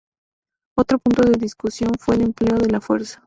Otro punto de discusión fue el empleo de la fuerza.